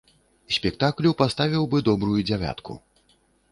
Спектаклю паставіў бы добрую дзявятку.